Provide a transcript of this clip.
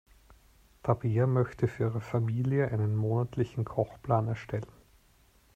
Tabea möchte für ihre Familie einen monatlichen Kochplan erstellen.